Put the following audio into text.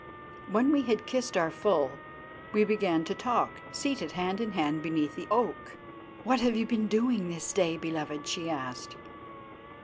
When we had kissed our full, we began to talk, seated hand in hand beneath the oak. "What have you been doing this day, beloved?" she asked.